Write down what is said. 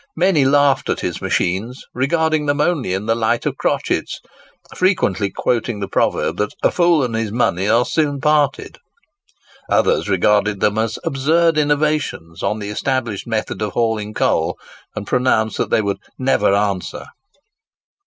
Many laughed at his machines, regarding them only in the light of crotchets,—frequently quoting the proverb that "a fool and his money are soon parted." Others regarded them as absurd innovations on the established method of hauling coal; and pronounced that they would "never answer."